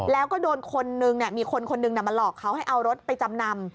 แล้วก็โดนคนนึงมีคนคนหนึ่งมาหลอกเขาให้เอารถไปจำนำ